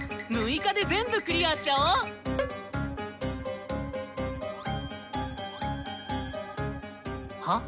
６日で全部クリアしちゃおう！は？